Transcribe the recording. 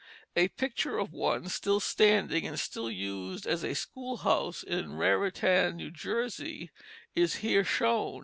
A picture of one still standing and still used as a schoolhouse, in Raritan, New Jersey, is here shown.